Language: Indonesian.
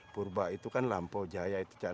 purba itu kan lampau jaya